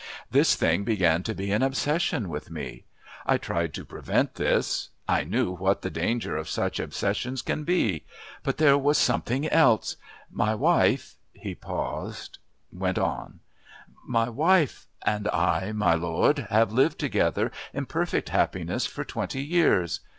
This thing began to be an obsession with me. I tried to prevent this. I knew what the danger of such obsessions can be. But there was something else. My wife " he paused went on. "My wife and I, my lord, have lived together in perfect happiness for twenty years.